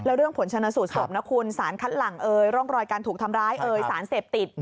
แล้วเรื่องผลชนะสูตรศพสารคัดหลังร่องรอยการถูกทำร้ายสารเสพติด